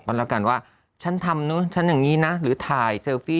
บรรยากาศว่าฉันทำนู้นฉันอย่างงี้น่ะหรือถ่ายเซอร์ฟี้